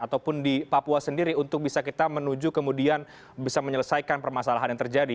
ataupun di papua sendiri untuk bisa kita menuju kemudian bisa menyelesaikan permasalahan yang terjadi